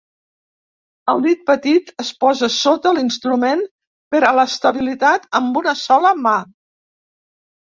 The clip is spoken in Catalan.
El dit petit es posa sota l'instrument per a l'estabilitat "amb una sola mà".